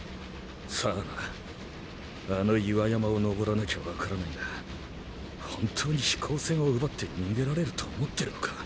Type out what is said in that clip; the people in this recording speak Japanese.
さぁなあの岩山を登らなきゃわからないが本当に飛行船を奪って逃げられると思ってるのか？